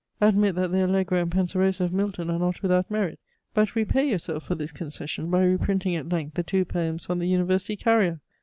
Admit that the Allegro and Penseroso of Milton are not without merit; but repay yourself for this concession, by reprinting at length the two poems on the University Carrier!